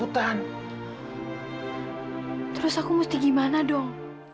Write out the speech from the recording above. terus aku mesti gimana dong